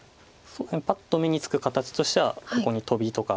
パッと目につく形としてはここにトビとか。